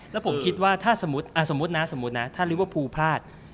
และผมคิดว่าถ้ารีเวอร์ฟูพลาด